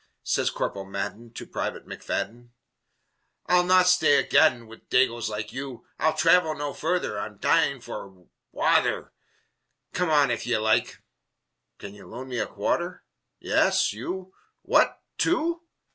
Sez Corporal Madden to Private McFadden: "I'll not stay a gadd'n Wid dagoes like you! I'll travel no farther, I'm dyin' for wather; Come on, if ye like Can ye loan me a quarther? Ya as, you, What two?